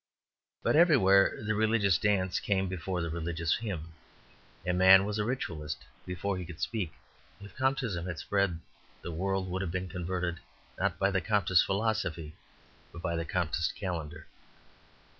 But everywhere the religious dance came before the religious hymn, and man was a ritualist before he could speak. If Comtism had spread the world would have been converted, not by the Comtist philosophy, but by the Comtist calendar.